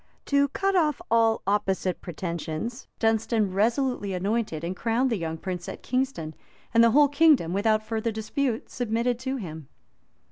To cut off all opposite pretensions, Dunstan resolutely anointed and crowned the young prince at Kingston; and the whole kingdom, without further dispute, submitted to him.